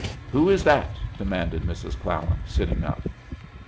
"Who is that?" demanded Mrs. Clallam, sitting up.